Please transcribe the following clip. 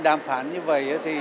đàm phán như vậy